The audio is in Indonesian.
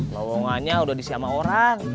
lohongannya udah disiamah orang